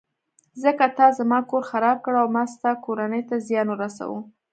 ځکه تا زما کور خراب کړ او ما ستا کورنۍ ته زیان ورساوه.